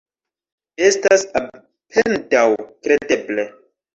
Estas apendaŭ kredeble.